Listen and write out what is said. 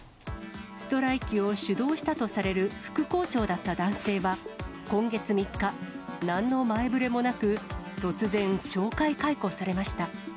ストライキを主導したとされる副校長だった男性は、今月３日、なんの前触れもなく、突然、懲戒解雇されました。